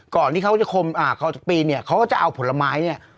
ก่อนที่เขาจะคมอ่าเขาจะปีนเนี่ยเขาก็จะเอาผลไม้เนี่ย